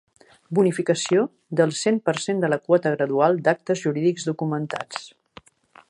Bonificació del cent per cent de la quota gradual d'actes jurídics documentats.